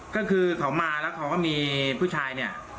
ก็คือเขามาแล้วเขาก็มีผู้ชายเนี่ย